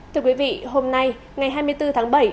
thưa quý vị hôm nay ngày hai mươi bốn tháng bảy